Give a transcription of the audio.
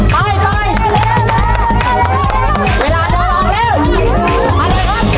ไปไป